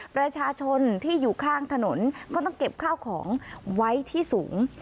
ประชาชนที่อยู่ข้างถนนก็ต้องเก็บข้าวของไว้ที่สูง